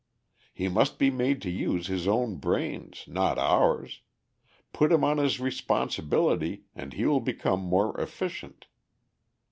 He must be made to use his own brains, not ours; put him on his responsibility and he will become more efficient.